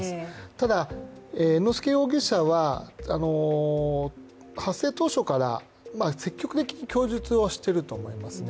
ただ、猿之助容疑者は発生当初から積極的に供述をしていると思いますね。